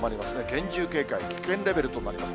厳重警戒、危険レベルとなります。